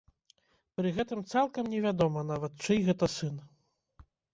Пры гэтым цалкам невядома нават, чый гэта сын.